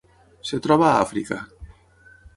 Es troba a Àfrica.